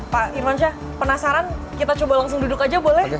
pak irmansyah penasaran kita coba langsung duduk aja boleh